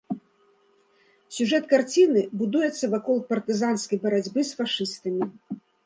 Сюжэт карціны будуецца вакол партызанскай барацьбы з фашыстамі.